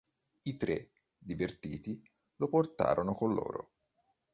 I tre, divertiti, lo portano con loro.